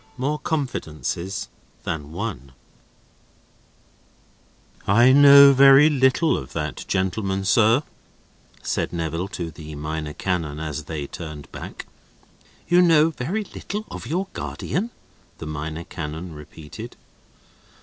MORE CONFIDENCES THAN ONE "I know very little of that gentleman, sir," said Neville to the Minor Canon as they turned back. "You know very little of your guardian?" the Minor Canon repeated.